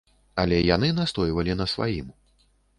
Але яны настойвалі на сваім.